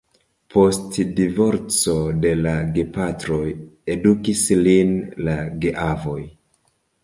Post divorco de la gepatroj edukis lin la geavoj.